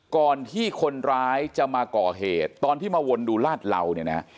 ก่อนที่คนร้ายจะมาก่อเหตุตอนที่มาวนดูลาดเหล่าเนี่ยนะ